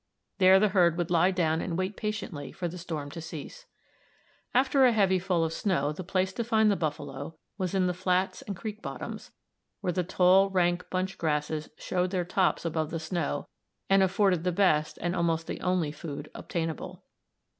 There the herd would lie down and wait patiently for the storm to cease. After a heavy fall of snow, the place to find the buffalo was in the flats and creek bottoms, where the tall, rank bunch grasses showed their tops above the snow, and afforded the best and almost the only food obtainable.